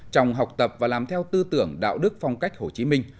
trong học tập và làm theo tư tưởng đạo đức phong cách hồ chí minh